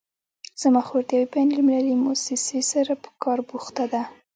زما خور د یوې بین المللي مؤسسې سره په کار بوخته ده